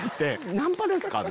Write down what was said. ナンパですか？」。